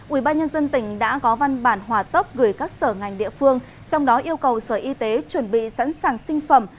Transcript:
ubnd tỉnh đã có văn bản hòa tốc gửi các sở ngành địa phương trong đó yêu cầu sở y tế chuẩn bị sẵn sàng sinh phẩm